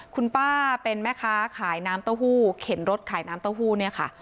คุณป้าเป็นแม่ค้าขายน้ำเต้าหู้เข็นรถขายน้ำเต้าหู้เนี่ยค่ะ